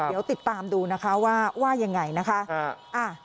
เดี๋ยวติดตามดูนะคะว่ายังไงนะคะ